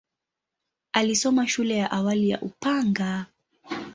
Alisoma shule ya awali ya Upanga.